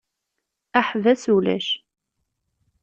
Aḥebbas ulac.